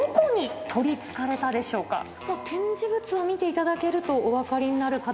展示物を見ていただけるとお分かりになるかと。